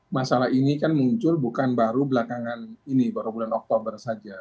masalah ini kan muncul bukan baru belakangan ini baru bulan oktober saja